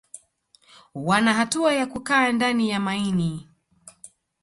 Wana hatua ya kukaa ndani ya maini